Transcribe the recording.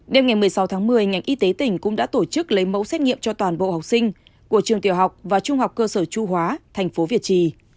đêm ngày một mươi sáu tháng một mươi ngành y tế tỉnh cũng đã tổ chức lấy mẫu xét nghiệm cho toàn bộ học sinh của trường tiểu học và trung học cơ sở chu hóa thành phố việt trì